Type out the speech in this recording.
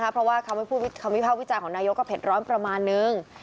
เพราะว่าคำวิภาควิจารณของนายกก็เผ็ดร้อนประมาณนึง